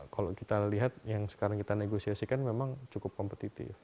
kalau kita lihat yang sekarang kita negosiasikan memang cukup kompetitif